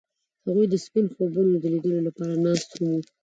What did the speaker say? هغوی د سپین خوبونو د لیدلو لپاره ناست هم وو.